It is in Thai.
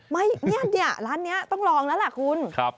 ไม่เนี่ยร้านนี้ต้องลองแล้วล่ะคุณ